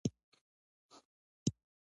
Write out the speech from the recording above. احمده! زړه مه غورځوه؛ هر څه به سم شي.